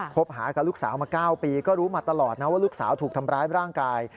หากับลูกสาวมา๙ปีก็รู้มาตลอดนะว่าลูกสาวถูกทำร้ายร่างกาย